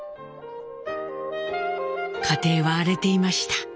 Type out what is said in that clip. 家庭は荒れていました。